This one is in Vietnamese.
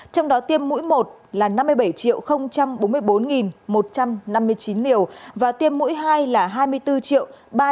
trong đó tiêm mũi một là năm mươi bảy bốn mươi bốn một trăm năm mươi chín liều và tiêm mũi hai là hai mươi bốn ba trăm ba mươi một hai trăm một mươi bảy liều